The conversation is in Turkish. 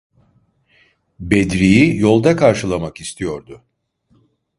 Bedri’yi yolda karşılamak istiyordu.